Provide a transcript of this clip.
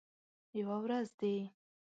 یوه ورځ دي